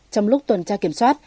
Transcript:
trong lúc tuần tra kiểm soát